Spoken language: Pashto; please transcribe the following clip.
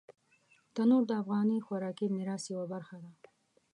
تنور د افغاني خوراکي میراث یوه برخه ده